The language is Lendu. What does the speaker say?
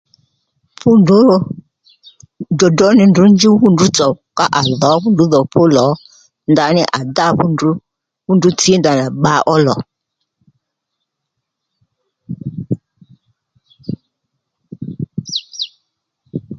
Fú ndrǔ dròdró ní ndrǔ njúw fú ndrǔ tsò à ndǒ fú ndrǔ dhò pólìo ndaní à dá fú ndrǔ fú ndrǔ tsǐ ndanà bba ó lò